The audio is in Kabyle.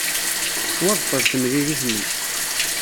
Tettwabṭel temlilit-nni.